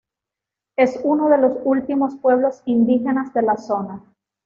Es uno de los últimos pueblos indígenas de la zona.